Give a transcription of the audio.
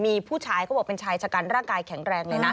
มีผู้ชายเขาบอกเป็นชายชะกันร่างกายแข็งแรงเลยนะ